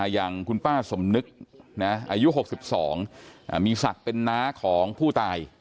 อย่างคุณป้าสมนึกอายุ๖๒มีศักดิ์เป็นน้าของผู้ตาย